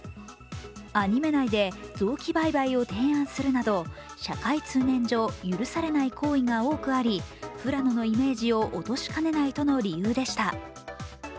アニメ内で臓器売買を提案するなど社会通念上許されない行為が多くあり富良野のイメージを落としかねないとの理由でした。